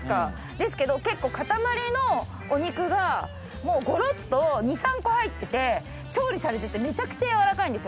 ですけど結構塊のお肉がごろっと２３個入ってて調理されててめちゃくちゃやわらかいんですよ。